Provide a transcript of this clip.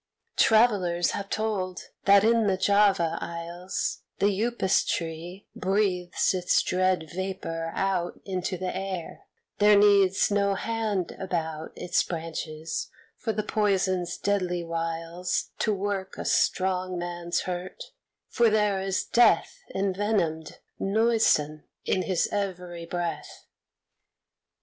Travellers have told that in the Java isles The upas tree breathes its dread vapor out Into the air; there needs no hand about Its branches for the poison's deadly wiles To work a strong man's hurt, for there is death Envenomed, noisome, in his every breath.